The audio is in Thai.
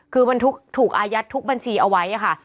คือถูกอายัดทุกบัญชีเอาไว้ค่ะ